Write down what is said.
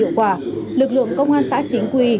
hiệu quả lực lượng công an xã chính quy